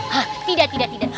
hah tidak tidak tidak